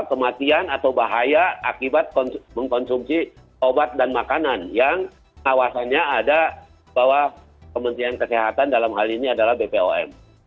kematian atau bahaya akibat mengkonsumsi obat dan makanan yang awasannya ada bahwa kementerian kesehatan dalam hal ini adalah bpom